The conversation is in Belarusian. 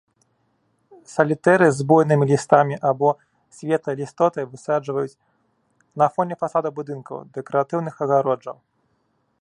Салітэры з буйнымі лістамі або светлай лістотай высаджваюць на фоне фасадаў будынкаў, дэкаратыўных агароджаў.